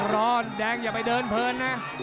รอแดงอย่าไปเดินเพลินนะ